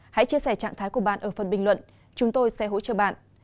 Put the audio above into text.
hãy chia sẻ trạng thái của bạn ở phần bình luận chúng tôi sẽ hỗ trợ bạn